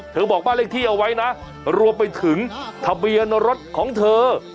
บอกบ้านเลขที่เอาไว้นะรวมไปถึงทะเบียนรถของเธอ